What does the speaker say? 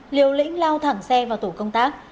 liều lĩnh lao thẳng xe vào tổ công tác